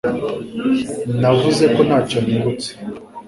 Navuze ko ntacyo nibutse.